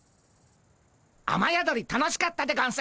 あまやどり楽しかったでゴンス。